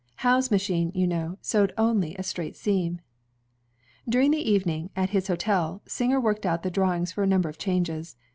Howe's machine, you know, sewed only a straight seam. During the evening, at his hotel, Singer worked out the drawings for a number of changes.